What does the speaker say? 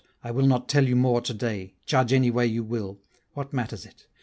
I will not tell you more to day, Judge any way you will: what matters it?